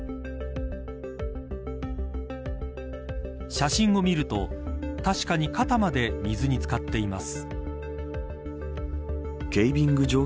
写真を見ると、確かに肩まで水に漬かっています。